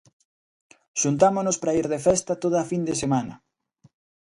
Xuntamonos para ir de festa toda a fin de semana.